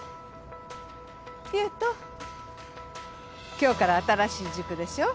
今日から新しい塾でしょ。